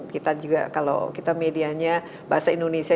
kita juga kalau kita medianya bahasa indonesia